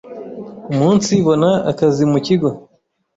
umunsibona akazi mu Kigo